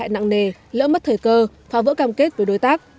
nặng nề lỡ mất thời cơ phá vỡ cam kết với đối tác